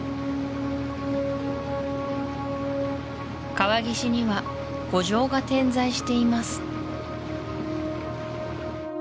川岸には古城が点在しています